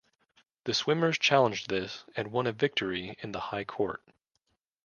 The swimmers challenged this and won a victory in the High Court.